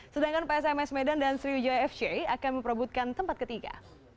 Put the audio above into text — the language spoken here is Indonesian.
sedangkan psms medan dan sriwijaya fc akan memperebutkan tempat ketiga